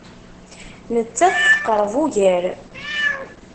Nettat teqreb ugar.